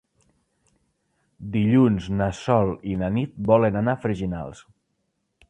Dilluns na Sol i na Nit volen anar a Freginals.